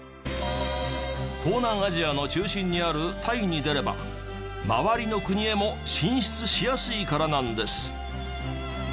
東南アジアの中心にあるタイに出れば周りの国へも進出しやすいからなんです。